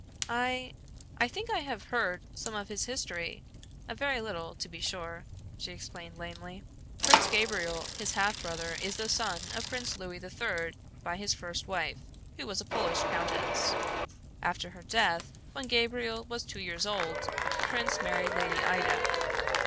"I I think I have heard some of his history a very little, to be sure," she explained lamely. "Prince Gabriel, his half brother, is the son of Prince Louis the Third by his first wife, who was a Polish countess. After her death, when Gabriel was two years old, the prince married Lady Ida.